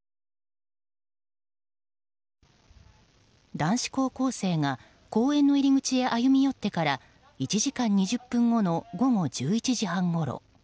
男子高校生が公園の入り口へ歩み寄ってから１時間２０分後の午後１１時半ごろ。